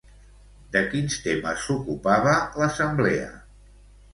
De quins temes s'ocupava l'assemblea?